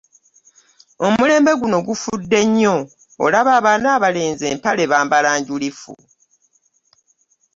Omulembe guno gufudde nnyo olaba abaana abalenzi empale bambala njulifu!